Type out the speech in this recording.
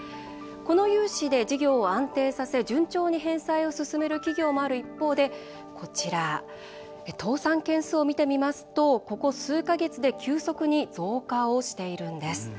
この融資で事業を安定させ順調に返済を進める企業もある一方でこちら、倒産件数を見てみますとここ数か月で急速に増加をしているんです。